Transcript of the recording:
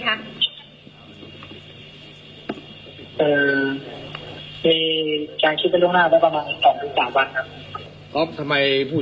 คืองานคิดไว้ล่วงหน้าประมาณ๒๓วันครับ